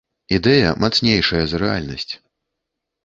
Ідэя мацнейшая за рэальнасць.